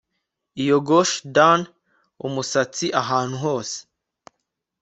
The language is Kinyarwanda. iyo gosh darn umusatsi ahantu hose